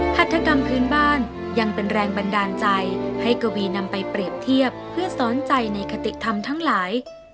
หัตถกรรมพื้นบ้านยังเป็นแรงบันดาลใจให้กวีนำไปเปรียบเทียบเพื่อซ้อนใจในคติธรรมทั้งหลาย